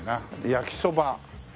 焼きそば。